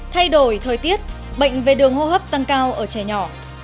thay đổi thời tiết bệnh về đường hô hấp tăng cao ở trẻ nhỏ